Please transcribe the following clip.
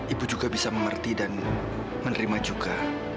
ibu juga bisa mengerti dan menerima juga